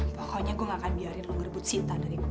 pokoknya gue gak akan biarin lo ngerebut sita dari gue